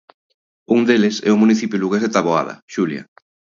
Un deles é o municipio lugués de Taboada, Xulia.